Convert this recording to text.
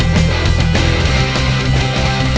กลับมาที่นี่